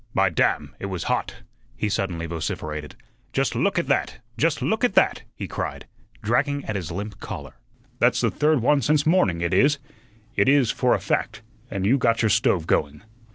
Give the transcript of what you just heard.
By damn! it was hot," he suddenly vociferated. "Just look at that! Just look at that!" he cried, dragging at his limp collar. "That's the third one since morning; it is it is, for a fact and you got your stove going."